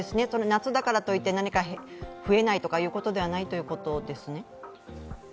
夏だからといって、何か増えないということではないということですね？